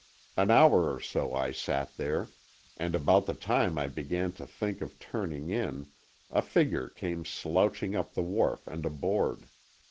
An hour or so I sat there, and about the time I began to think of turning in, a figure came slouching up the wharf and aboard.